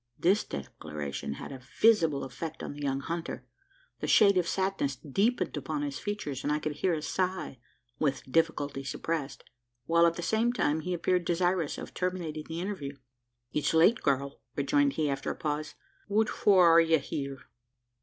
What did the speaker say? This declaration had a visible effect on the young hunter: the shade of sadness deepened upon his features: and I could hear a sigh, with difficulty suppressed while, at the same time, he appeared desirous of terminating the interview. "It's late, girl," rejoined he, after a pause: "what for are ye here?"